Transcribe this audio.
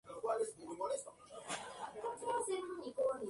Es miembro fundadora de Musulmanes británicos por la democracia secular.